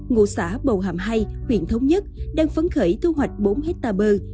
ngụ xã bầu hạm hai huyện thống nhất đang phấn khởi thu hoạch bốn hectare bơ